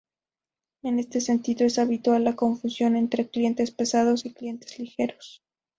En este sentido es habitual la confusión entre clientes pesados y clientes ligeros.